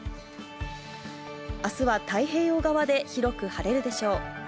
あすは太平洋側で広く晴れるでしょう。